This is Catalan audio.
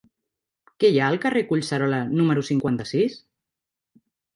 Què hi ha al carrer de Collserola número cinquanta-sis?